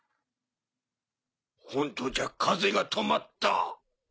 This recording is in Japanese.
ホントじゃ風が止まった。